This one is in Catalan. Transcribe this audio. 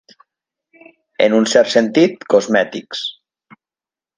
En un cert sentit, cosmètics.